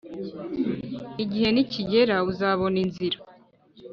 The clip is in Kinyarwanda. igihe nikigera uzabona inzira